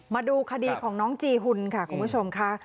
มาดูคดีของน้องจีหุ่นค่ะคุณผู้ชมค่ะ